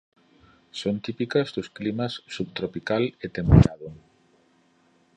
Son típicas dos climas subtropical e temperado.